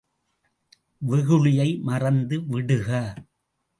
வெகுளியை மறந்து விடுக!